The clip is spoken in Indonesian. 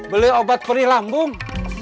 beli obat perih lambung